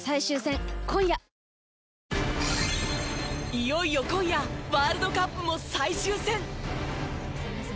いよいよ今夜ワールドカップも最終戦。